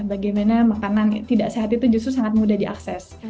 bagaimana makanan tidak sehat itu justru sangat mudah diakses